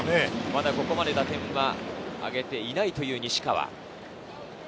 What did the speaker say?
まだここまで打点はあげていない西川。